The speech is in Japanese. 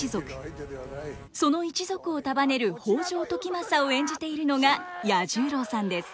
その一族を束ねる北条時政を演じているのが彌十郎さんです。